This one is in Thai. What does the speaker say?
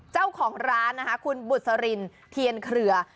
เจ้าของร้านนะคะคุณบุษรินเทียนเครือ